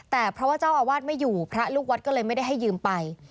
แต่เพราะว่าเจ้าอาวาสไม่อยู่พระลูกวัดก็เลยไม่ได้ให้ยืมไป